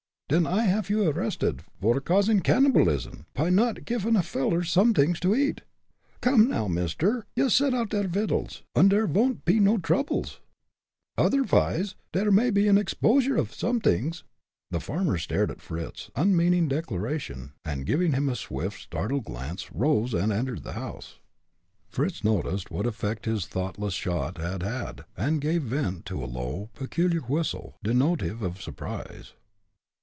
"Den I haff you arrested vor causing cannibalism, py not giffin' a veller somedings to eat. Come, now, mister; yoost set oud der vittles und der von't pe no droubles; otherwise, der may be an exposure off somedings!" The farmer started at Fritz's unmeaning declaration, and giving him a swift, startled glance, arose and entered the house. Fritz noticed what effect his thoughtless shot had had, and gave vent to a low, peculiar whistle, denotive of surprise.